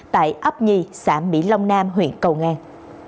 tại ấp nhì xã mỹ long nam huyện cầu ngang